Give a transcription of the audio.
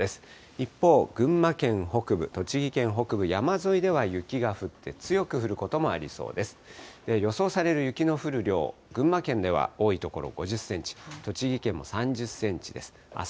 一方、群馬県北部、栃木県北部、山沿いでは雪が降って、強く降ることもありそうです。